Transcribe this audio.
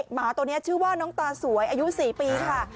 หมาตัวนี้ชื่อว่าน้องตาสวยอายุ๔ปีค่ะ